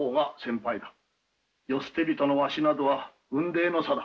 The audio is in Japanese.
世捨て人のわしなどは雲泥の差だ。